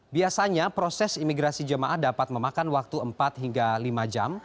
biasanya proses imigrasi jemaah dapat memakan waktu empat hingga lima jam